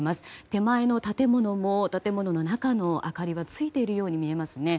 手前の建物の中の明かりはついているように見えます。